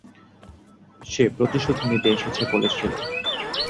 সে প্রতিশোধ নিতে এসেছে বলেছিল।